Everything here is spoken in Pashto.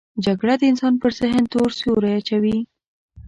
جګړه د انسان پر ذهن تور سیوری اچوي